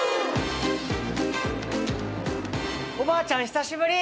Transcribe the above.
おばあちゃん久しぶり！